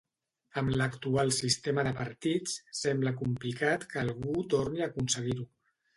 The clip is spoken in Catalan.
Amb l’actual sistema de partits, sembla complicat que algú torni a aconseguir-ho.